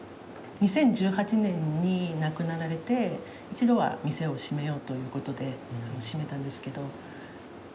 ２０１８年に亡くなられて一度は店を閉めようということで閉めたんですけど。